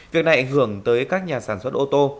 việc này ảnh hưởng tới các nhà sản xuất ô tô